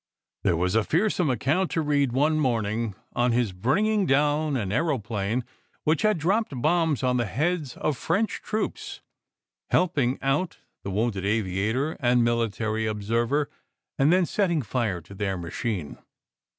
There was a fearsome account to read, one morning, of his bringing down an aeroplane which had dropped bombs on the heads of French troops, helping out the wounded aviator and military observer, and then setting fire to their machine.